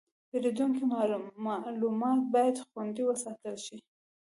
د پیرودونکو معلومات باید خوندي وساتل شي.